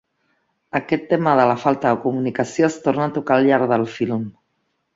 Aquest tema de la falta de comunicació es torna a tocar al llarg del film.